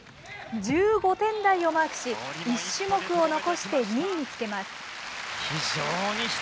１５点台をマークし、１種目を残して２位につけます。